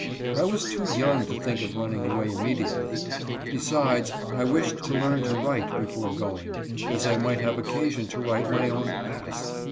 I was too y^ojmg__lo_.think of running awa^k»Hiedutfily ; besides, I wishe4_to learn to write before going, as I might haye__£>ccasion to write my own pass.